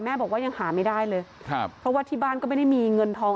บอกว่ายังหาไม่ได้เลยครับเพราะว่าที่บ้านก็ไม่ได้มีเงินทอง